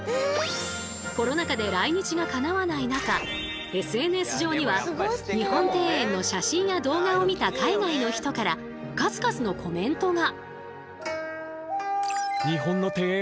コロナ禍で来日がかなわない中ＳＮＳ上には日本庭園の写真や動画を見た海外の人から数々のコメントが。